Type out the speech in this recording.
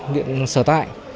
điện sở tại